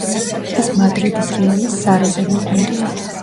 ის მადრიდის რეალის სარეზერვო გუნდია.